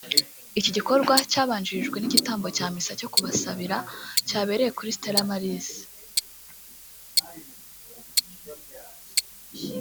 Iki gikorwa cyabanjirijwe n’igitambo cya misa yo kubasabira cyabereye kuri Stella Maris